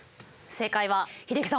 正解は英樹さん